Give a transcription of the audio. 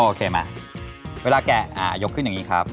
โอเคมาเวลาแกยกขึ้นอย่างนี้ครับ